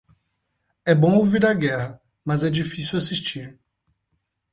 É bom ouvir a guerra, mas é difícil assistir.